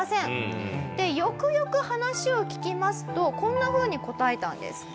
でよくよく話を聞きますとこんなふうに答えたんです。